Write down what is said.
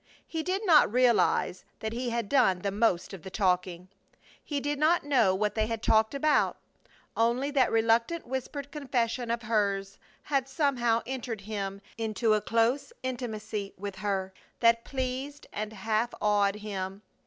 He did not realize that he had done the most of the talking. He did not know what they had talked about; only that reluctant whispered confession of hers had somehow entered him into a close intimacy with her that pleased and half awed him.